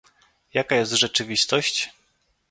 Jaka jest rzeczywistość?